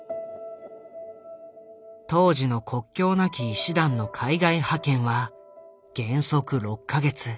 当時の国境なき医師団の海外派遣は原則６か月。